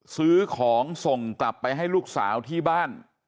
ซื้อของส่งกลับไปให้ลูกสาวที่บ้าน